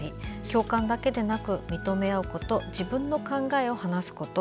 共感だけでなく、認め合うこと自分の考えを話すこと。